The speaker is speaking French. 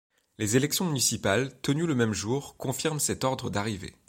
Les élections municipales, tenues le même jour, confirment cet ordre d'arrivée.